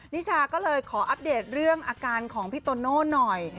นิชาก็เลยขออัปเดตเรื่องอาการของพี่โตโน่หน่อย